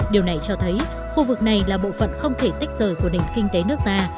điều này cho thấy khu vực này là bộ phận không thể tách rời của nền kinh tế nước ta